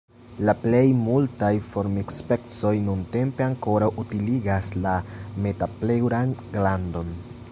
La plej multaj formikspecoj nuntempe ankoraŭ utiligas la metapleŭran glandon.